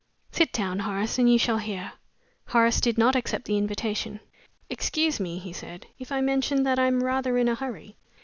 "Sit down, Horace, and you shall hear." Horace did not accept the invitation. "Excuse me," he said, "if I mention that I am rather in a hurry."